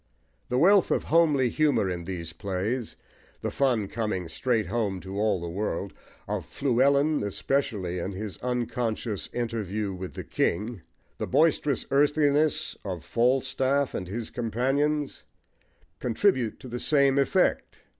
The wealth of homely humour in these plays, the fun coming straight home to all the world, of Fluellen especially in his unconscious interview with the king, the boisterous earthiness of Falstaff and his companions, contribute to the same effect.